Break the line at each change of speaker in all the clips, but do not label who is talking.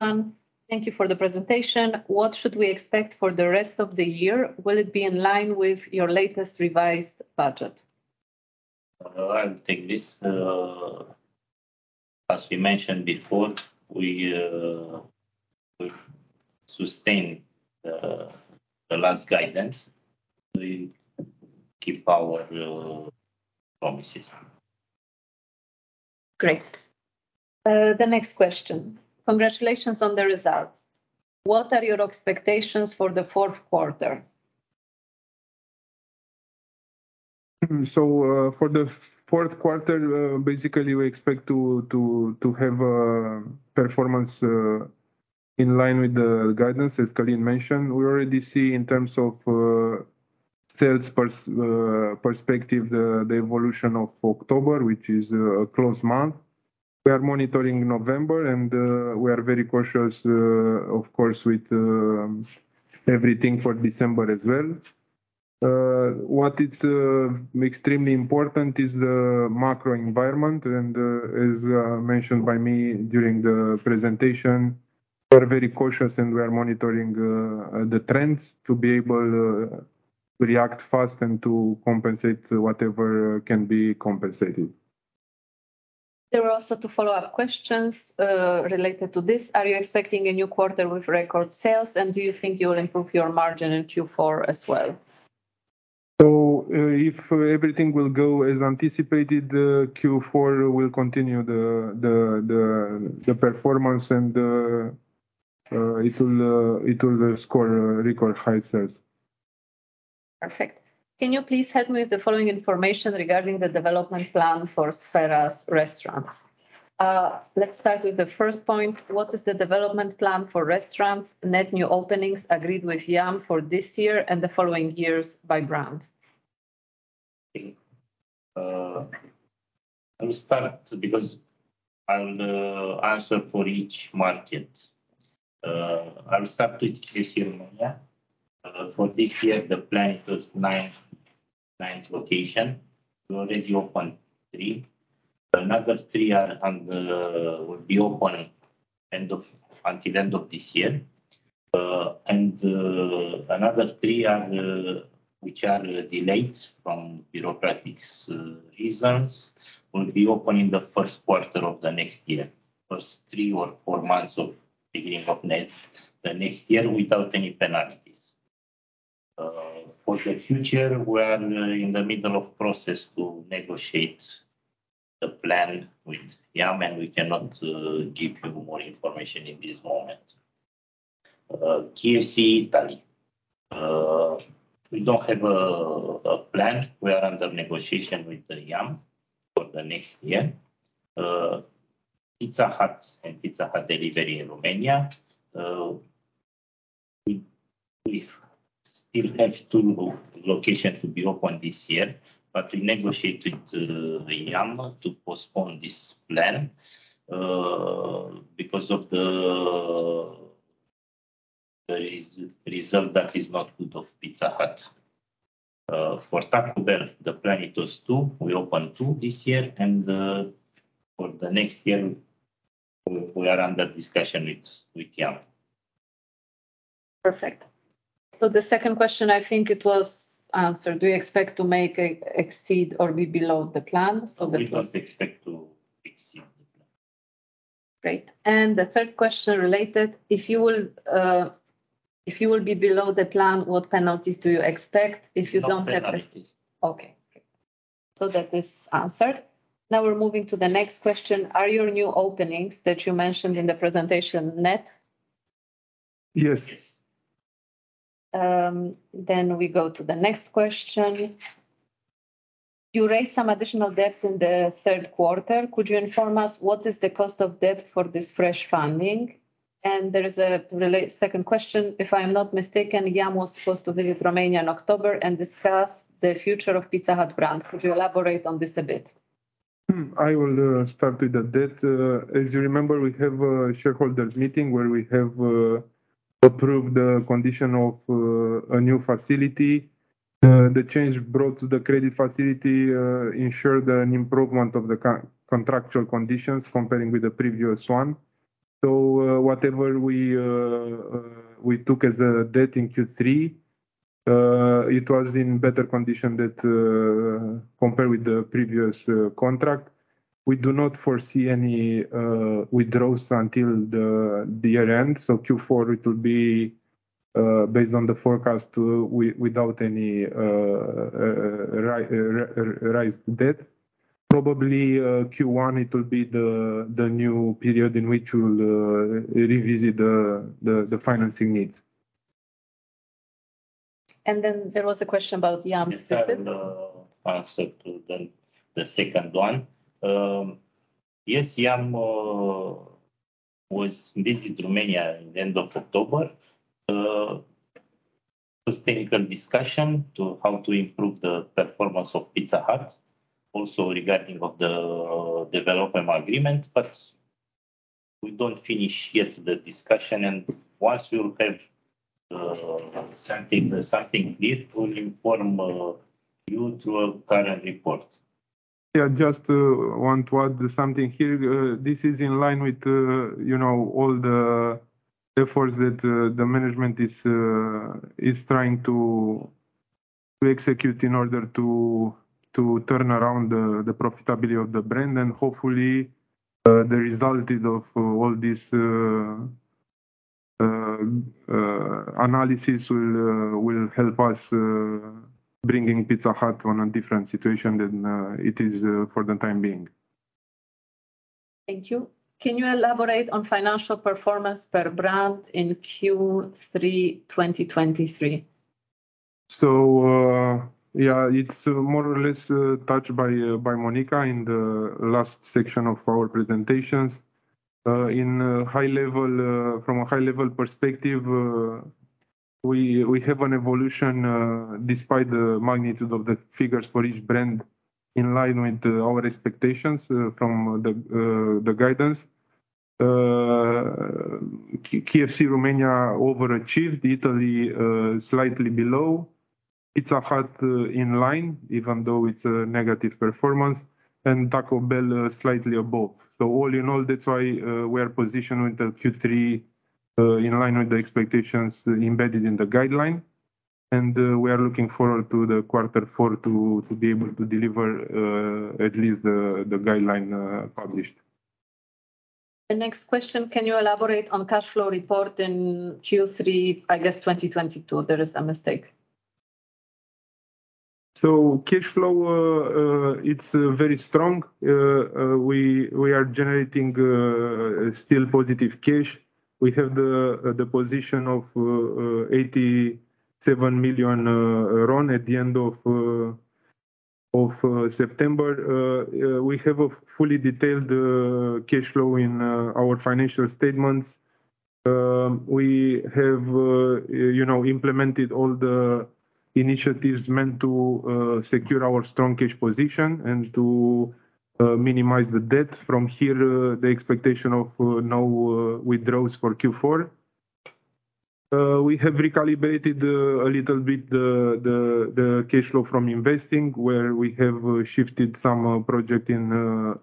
Thank you for the presentation. What should we expect for the rest of the year? Will it be in line with your latest revised budget?
I'll take this. As we mentioned before, we will sustain the last guidance. We keep our promises.
Great. The next question. Congratulations on the results. What are your expectations for the fourth quarter?
For the fourth quarter, basically we expect to have a performance in line with the guidance, as Călin mentioned. We already see in terms of sales perspective, the evolution of October, which is a closed month. We are monitoring November and we are very cautious, of course, with everything for December as well. What is extremely important is the macro environment and, as mentioned by me during the presentation, we are very cautious and we are monitoring the trends to be able to react fast and to compensate whatever can be compensated.
There were also two follow-up questions, related to this. Are you expecting a new quarter with record sales? Do you think you will improve your margin in Q4 as well?
If everything will go as anticipated, Q4 will continue the performance and it will score record high sales.
Perfect. Can you please help me with the following information regarding the development plan for Sphera's restaurants? Let's start with the first point. What is the development plan for restaurants net new openings agreed with YUM for this year and the following years by brand?
I will start because I'll answer for each market. I'll start with KFC Romania. For this year, the plan was ninth location. We already opened three. Another three will be open until end of this year. Another three, which are delayed from bureaucratic reasons, will be open in the first quarter of the next year. First three or four months of beginning of next year without any penalties. For the future, we are in the middle of process to negotiate the plan with Yum, and we cannot give you more information in this moment. KFC Italy. We don't have a plan. We are under negotiation with the Yum for the next year. Pizza Hut and Pizza Hut Delivery in Romania. We still have two locations to be opened this year, but we negotiate with YUM to postpone this plan because of the results of Pizza Hut that are not good. For Taco Bell, the plan. It was two. We opened two this year and for the next year we are under discussion with YUM.
Perfect. The second question, I think it was answered. Do you expect to meet or exceed or be below the plan?
We just expect to exceed the plan.
Great. The third question related, if you will be below the plan, what penalties do you expect if you don't have?
No penalties.
Okay. That is answered. Now we're moving to the next question. Are your new openings that you mentioned in the presentation net?
Yes.
Yes.
We go to the next question. You raised some additional debt in the third quarter. Could you inform us what is the cost of debt for this fresh funding? And there is a related second question. If I'm not mistaken, YUM was supposed to visit Romania in October and discuss the future of Pizza Hut brand. Could you elaborate on this a bit?
I will start with the debt. As you remember, we have a shareholders meeting where we have approved the condition of a new facility. The change brought to the credit facility ensured an improvement of the contractual conditions comparing with the previous one. Whatever we took as a debt in Q3, it was in better condition than compared with the previous contract. We do not foresee any withdrawals until the year end. Q4 it will be based on the forecast without any raised debt. Probably Q1 it will be the new period in which we'll revisit the financing needs.
There was a question about Yum's visit.
I'll start to answer the second one. Yes, Yum visited Romania end of October. It was a technical discussion on how to improve the performance of Pizza Hut. Also regarding the development agreement, but we don't finish yet the discussion. Once we will have something new, we'll inform you through a current report.
Yeah, just wanted to add something here. This is in line with the, you know, all the efforts that the management is trying to execute in order to turn around the profitability of the brand. Hopefully, the result of all this analysis will help us bringing Pizza Hut to a different situation than it is for the time being.
Thank you. Can you elaborate on financial performance per brand in Q3 2023?
It's more or less touched by Monica in the last section of our presentations. From a high-level perspective, we have an evolution despite the magnitude of the figures for each brand in line with our expectations from the guidance. KFC Romania overachieved. KFC Italy slightly below. Pizza Hut in line, even though it's a negative performance. Taco Bell slightly above. All in all, that's why we are positioned with the Q3 in line with the expectations embedded in the guidance. We are looking forward to quarter four to be able to deliver at least the guidance published.
The next question, can you elaborate on cash flow report in Q3, I guess, 2022? There is a mistake.
Cash flow, it's very strong. We are generating still positive cash. We have the position of RON 87 million at the end of September. We have a fully detailed cash flow in our financial statements. We have you know implemented all the initiatives meant to secure our strong cash position and to minimize the debt. From here, the expectation of no withdrawals for Q4. We have recalibrated a little bit the cash flow from investing, where we have shifted some project in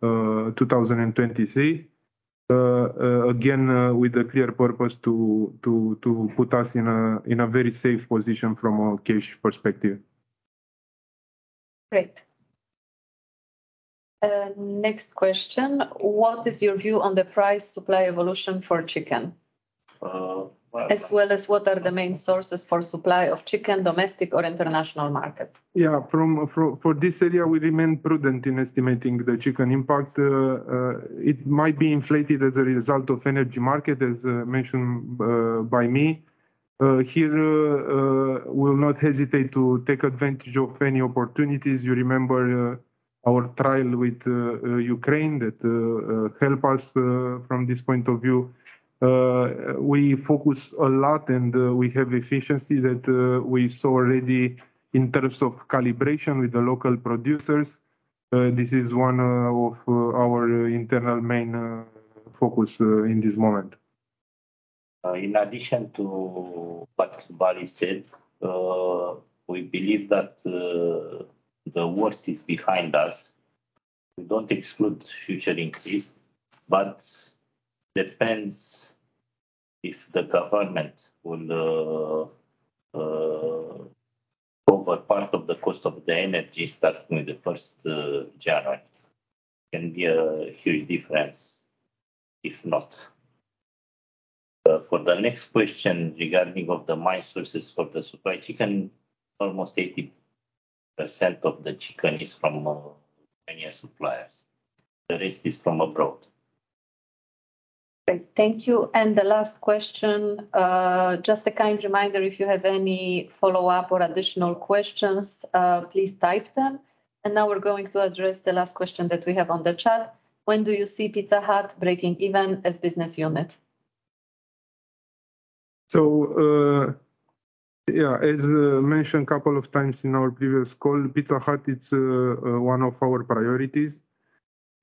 2023. Again, with the clear purpose to put us in a very safe position from a cash perspective.
Great. Next question. What is your view on the price supply evolution for chicken?
Uh, well-
What are the main sources for supply of chicken, domestic or international markets?
Yeah. For this area, we remain prudent in estimating the chicken impact. It might be inflated as a result of energy market, as mentioned by me. Here, we'll not hesitate to take advantage of any opportunities. You remember our trial with Ukraine that help us from this point of view. We focus a lot, and we have efficiency that we saw already in terms of calibration with the local producers. This is one of our internal main focus in this moment.
In addition to what Vali said, we believe that the worst is behind us. We don't exclude future increase, but depends if the government will cover part of the cost of the energy starting with the first January. Can be a huge difference if not. For the next question regarding the main sources for the supply, chicken, almost 80% of the chicken is from Romanian suppliers. The rest is from abroad.
Great. Thank you. The last question. Just a kind reminder, if you have any follow-up or additional questions, please type them. Now we're going to address the last question that we have on the chat. When do you see Pizza Hut breaking even as business unit?
As mentioned couple of times in our previous call, Pizza Hut it's one of our priorities.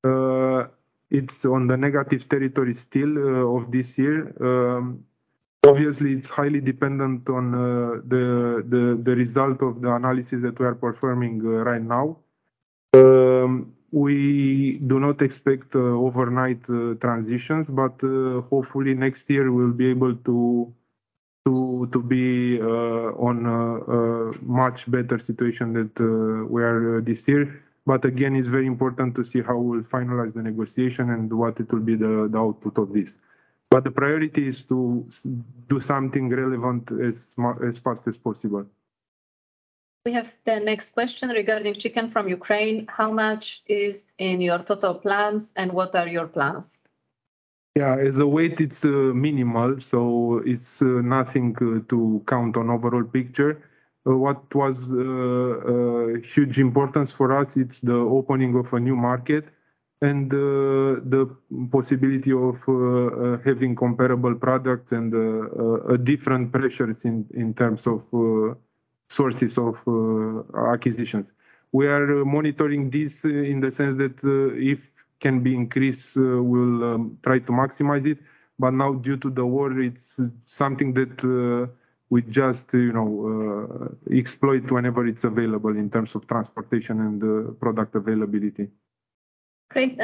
It's on the negative territory still of this year. Obviously it's highly dependent on the result of the analysis that we are performing right now. We do not expect overnight transitions, but hopefully next year we'll be able to be on a much better situation than we are this year. Again, it's very important to see how we'll finalize the negotiation and what will be the output of this. The priority is to do something relevant as fast as possible.
We have the next question regarding chicken from Ukraine. How much is in your total plans, and what are your plans?
Yeah. As a weight, it's minimal, so it's nothing to count on overall picture. What was huge importance for us, it's the opening of a new market and the possibility of having comparable products and a different pressures in terms of sources of acquisitions. We are monitoring this in the sense that if can be increased, we'll try to maximize it. Now due to the war, it's something that we just you know exploit whenever it's available in terms of transportation and product availability.
Great.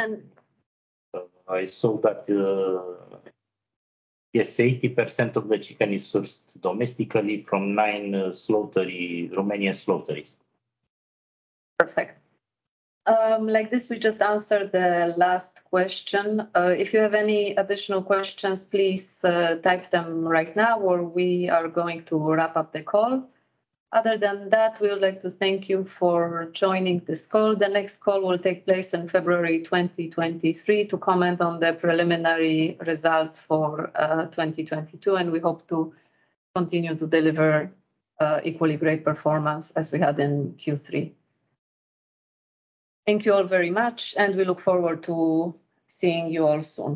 I saw that, yes, 80% of the chicken is sourced domestically from 9 Romanian slaughterhouses.
Perfect. Like this, we just answered the last question. If you have any additional questions, please type them right now or we are going to wrap up the call. Other than that, we would like to thank you for joining this call. The next call will take place in February 2023 to comment on the preliminary results for 2022, and we hope to continue to deliver equally great performance as we had in Q3. Thank you all very much, and we look forward to seeing you all soon.